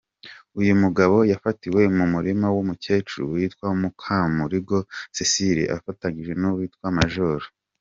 Uyu mugabo yafatiwe mu murima w’umukecuru witwa Mukamurigo Cecile afatanyije n’uwitwa Majoro.